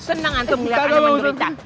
senang antum lihat anak mengerita